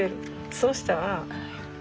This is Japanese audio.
そうしたら。